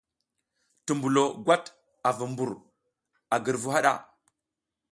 Tumbulo gwat a vu mbur a girvu haɗa.